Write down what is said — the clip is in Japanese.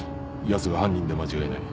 やつが犯人で間違いない。